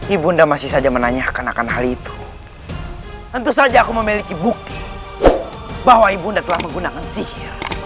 ibunda masih saja menanyakan akan hal itu tentu saja aku memiliki bukti bahwa ibunda telah menggunakan sihir